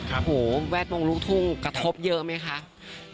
โอ้โหแวดวงลูกทุ่งกระทบเยอะไหมคะ